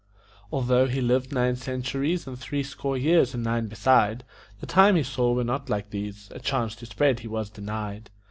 Although he lived nine centuries And three score years and nine beside, The times he saw were not like these, A chance to spread he was denied.